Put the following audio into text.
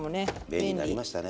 便利になりましたね。